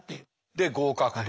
で合格と。